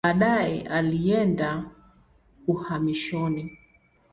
Baadaye alienda uhamishoni.